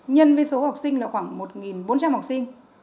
nhân với số học sinh là khoảng một bốn trăm linh học sinh